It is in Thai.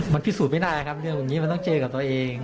มันพิสูจน์ไม่ได้ครับเรื่องแบบนี้มันต้องเจอกับตัวเอง